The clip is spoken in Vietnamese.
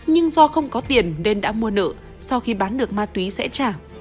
nhưng do không có tiền nên đã mua nợ sau khi bán được ma túy sẽ trả